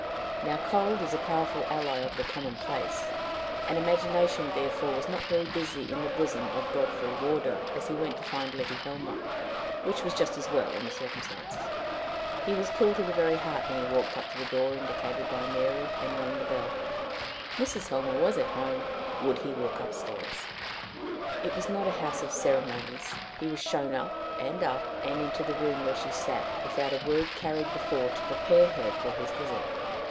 Now cold is a powerful ally of the commonplace, and imagination therefore was not very busy in the bosom of Godfrey Wardour as he went to find Letty Helmer, which was just as well, in the circumstances. He was cool to the very heart when he walked up to the door indicated by Mary, and rung the bell: Mrs. Helmer was at home: would he walk up stairs? It was not a house of ceremonies; he was shown up and up and into the room where she sat, without a word carried before to prepare her for his visit.